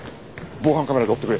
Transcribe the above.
防犯カメラで追ってくれ。